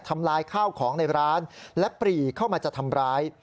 ลายข้าวของในร้านและปรีเข้ามาจะทำร้าย